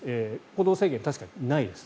行動制限は確かにないです。